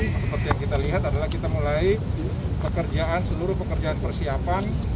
seperti yang kita lihat adalah kita mulai pekerjaan seluruh pekerjaan persiapan